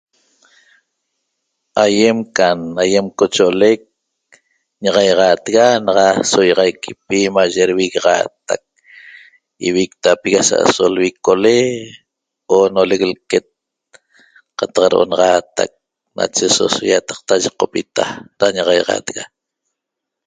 Aýem can aýem cocho'olec ña'axaixaatega naxa so ýi'axaiquipi maye devigaxaatac ivictapigui asa'aso lvicole oonolec lquet qataq do'onaxaatac nacheso so ýataqta yiqopita da ña'axaixatega